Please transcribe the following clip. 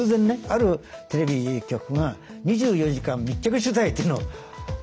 あるテレビ局が２４時間密着取材というのをやったんですよね。